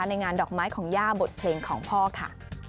ในงานดอกไม้ของย่าบทเพลงของพ่อค่ะ